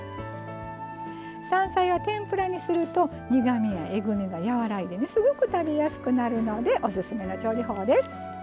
山菜は天ぷらにすると苦みやえぐみが和らいでねすごく食べやすくなるのでおすすめの調理法です。